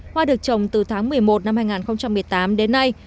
hoa được trồng từ tháng một mươi một năm hai nghìn một mươi tám đến nay